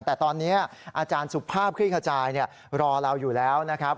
แต่ตอนนี้อาจารย์สุภาพคลิกขจายรอเราอยู่แล้วนะครับ